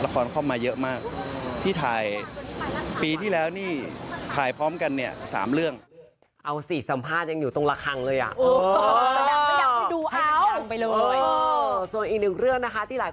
ครับจะไม่ค่อยมีวัยรุ่นน้อยมากครับ